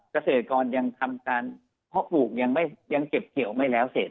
เกษตรกรยังทำการเพาะปลูกยังเก็บเกี่ยวไม่แล้วเสร็จ